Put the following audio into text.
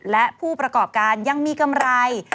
และผู้ประกอบการยังมีกำไร